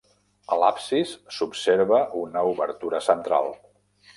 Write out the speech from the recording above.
A l'absis s'observa una obertura central.